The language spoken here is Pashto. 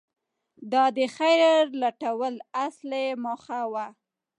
• دا د خیر لټول اصلي موخه وه.